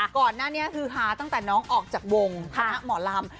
ก่อนหน้านี้คือฮาตั้งแต่น้องออกจากวงคณะหมอลำ